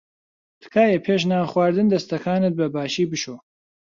تکایە پێش نان خواردن دەستەکانت بەباشی بشۆ.